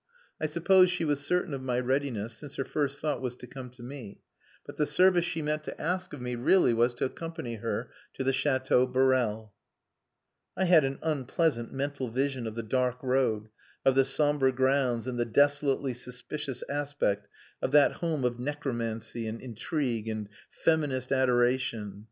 I suppose she was certain of my readiness, since her first thought was to come to me. But the service she meant to ask of me really was to accompany her to the Chateau Borel. I had an unpleasant mental vision of the dark road, of the sombre grounds, and the desolately suspicious aspect of that home of necromancy and intrigue and feminist adoration.